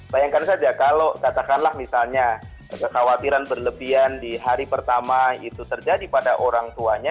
bayangkan saja kalau katakanlah misalnya kekhawatiran berlebihan di hari pertama itu terjadi pada orang tuanya